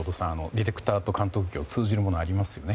ディレクターと監督業通じるものありますね。